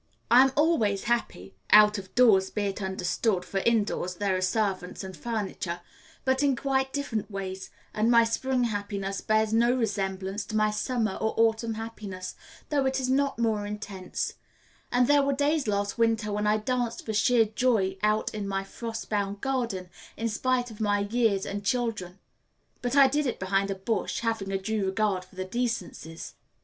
I am always happy (out of doors be it understood, for indoors there are servants and furniture) but in quite different ways, and my spring happiness bears no resemblance to my summer or autumn happiness, though it is not more intense, and there were days last winter when I danced for sheer joy out in my frost bound garden, in spite of my years and children. But I did it behind a bush, having a due regard for the decencies.